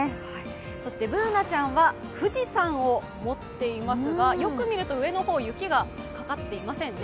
そしてＢｏｏｎａちゃんは富士山を持っていますがよく見ると上の方、雪がかかっていませんね。